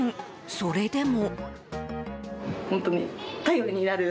それでも。